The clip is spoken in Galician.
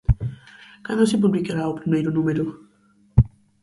Cando se publicará o primeiro número?